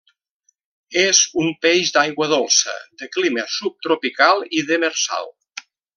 És un peix d'aigua dolça, de clima subtropical i demersal.